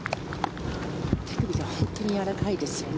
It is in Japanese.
手首が本当にやわらかいですよね